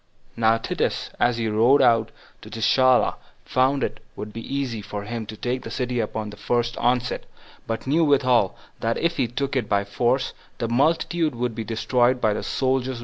2. Now Titus, as he rode out to Gischala, found it would be easy for him to take the city upon the first onset; but knew withal, that if he took it by force, the multitude would be destroyed by the soldiers without mercy.